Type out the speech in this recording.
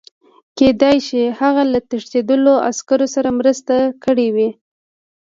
کېدای شي هغه له تښتېدلو عسکرو سره مرسته کړې وي